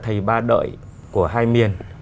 thầy ba đợi của hai miền